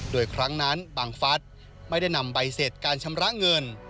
โดยครั้งนั้นบังฟัสไม่ได้นำใบเสร็จการชำระเงิน